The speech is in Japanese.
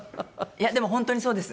いやでも本当にそうです。